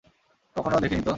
কখনো দেখিনি তো?